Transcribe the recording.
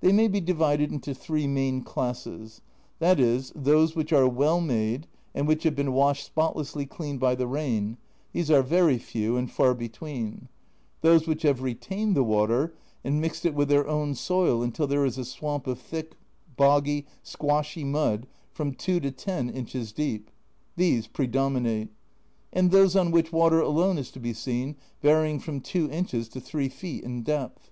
They may be divided into three main classes, viz. those which are well made, and which have been washed spotlessly clean by the rain these are very few and far between ; those which 32 A Journal from Japan have retained the water, and mixed it with their own soil until there is a swamp of thick, boggy, squashy mud from 2 to 10 inches deep these predominate ; and those on which water alone is to be seen, varying from 2 inches to 3 feet in depth.